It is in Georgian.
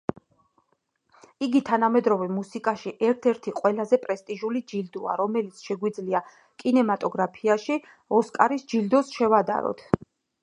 იგი, თანამედროვე მუსიკაში ერთ-ერთი ყველაზე პრესტიჟული ჯილდოა, რომელიც შეგვიძლია კინემატოგრაფში „ოსკარის“ ჯილდოს შევადაროთ.